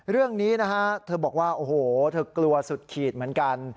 เรื่องนี้นะฮะเธอบอกว่าโอ้โหเธอกลัวสุดขีดเหมือนกัน